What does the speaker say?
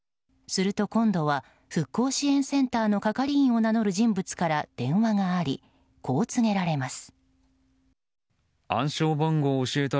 すると、今度は復興支援センターの係員を名乗る人物から電話がありこう告げられます。